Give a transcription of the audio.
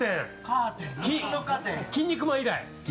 キン肉マン以来！